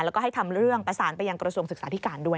แล้วก็ให้ทำเรื่องประสานไปยังกระทรวงศึกษาธิการด้วย